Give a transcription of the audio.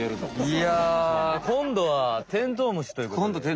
いやこんどはテントウムシということで。